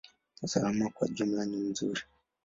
Usalama kwa ujumla ni nzuri.